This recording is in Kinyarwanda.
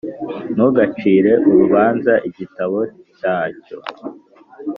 ntugacire urubanza igitabo cyacyo.